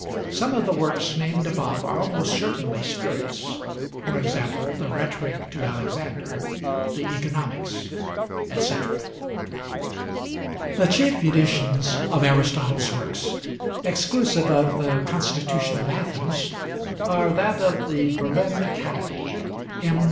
Some of the works named above are almost certainly spurious; e.g., the 'Rhetoric to Alexander,' the 'Oeconomics,' etc. The chief editions of Aristotle's works, exclusive of the 'Constitution of Athens,' are that of the Berlin Academy (Im.